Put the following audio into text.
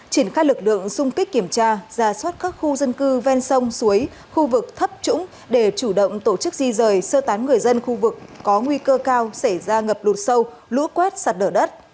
triển khai lực lượng xung kích kiểm tra ra soát các khu dân cư ven sông suối khu vực thấp trũng để chủ động tổ chức di rời sơ tán người dân khu vực có nguy cơ cao xảy ra ngập lụt sâu lũ quét sạt lở đất